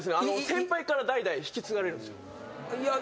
先輩から代々引き継がれるんですよ。